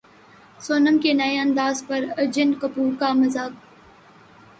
سونم کے نئے انداز پر ارجن کپور کا مذاق